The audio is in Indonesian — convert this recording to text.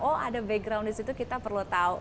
oh ada background di situ kita perlu tahu